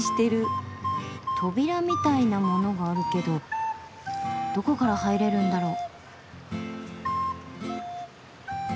扉みたいなものがあるけどどこから入れるんだろう？